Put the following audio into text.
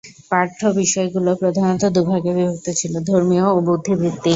পাঠ্য বিষয়গুলি প্রধানত দুভাগে বিভক্ত ছিল- ধর্মীয় ও বুদ্ধিবৃত্তিক।